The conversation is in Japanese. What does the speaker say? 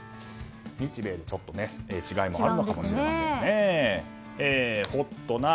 日米でちょっと違いもあるのかもしれませんね。